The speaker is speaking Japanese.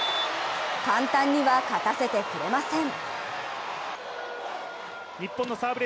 簡単には勝たせてくれません。